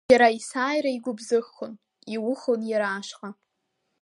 Иара есааира игәыбзыӷхон, иухон иара ашҟа.